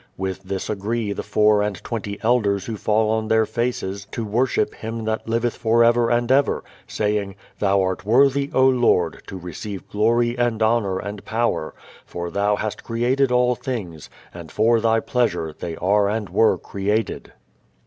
With this agree the four and twenty elders who fall on their faces to worship Him that liveth for ever and ever, saying, "Thou art worthy, O Lord, to receive glory and honour and power: for thou hast created all things, and for thy pleasure they are and were created."